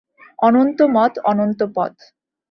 অনন্ত মত, অনন্ত পথ।